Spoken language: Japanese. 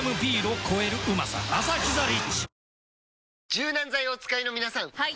柔軟剤をお使いの皆さんはい！